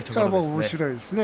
おもしろいですね。